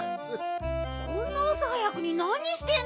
こんなあさ早くになにしてんの？